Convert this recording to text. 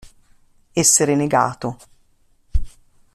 Essere negato.